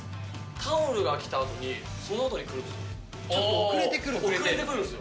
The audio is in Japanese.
タオルが来たあとに、そのあとにちょっと遅れてくるんだ。